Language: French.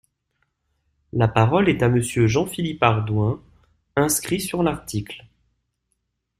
La parole est à Monsieur Jean-Philippe Ardouin, inscrit sur l’article.